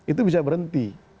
itu bisa berhenti